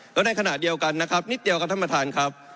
แล้วในขณะเดียวกันนะครับนิดเดียวครับท่านประธานครับ